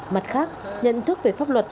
mặt khác nhận thức về pháp luật